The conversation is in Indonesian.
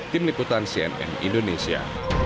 tim liputan cnn indonesia